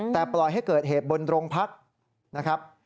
แต่ปล่อยให้เกิดเหตุบนโรงพักนะครับ